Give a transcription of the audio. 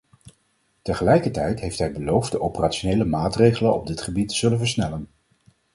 Tegelijkertijd heeft hij beloofd de operationele maatregelen op dit gebied te zullen versnellen.